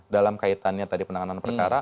dalam kaitannya tadi penanganan perkara